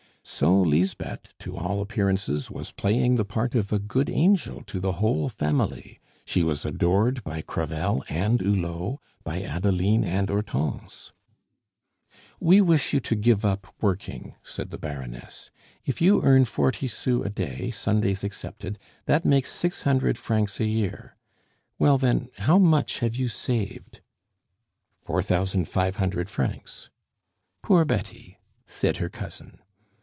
So Lisbeth, to all appearances, was playing the part of a good angel to the whole family; she was adored by Crevel and Hulot, by Adeline and Hortense. "We wish you to give up working," said the Baroness. "If you earn forty sous a day, Sundays excepted, that makes six hundred francs a year. Well, then, how much have you saved?" "Four thousand five hundred francs." "Poor Betty!" said her cousin.